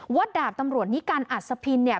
ดาบตำรวจนิกัลอัศพินเนี่ย